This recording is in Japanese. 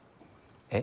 えっ？